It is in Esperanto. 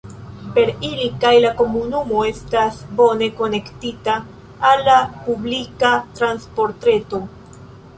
Per ili kaj la komunumo estas bone konektita al la publika transportreto.